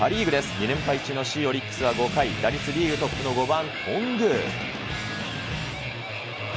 ２連敗中の首位オリックスは５回、打率リーグトップの５番頓宮。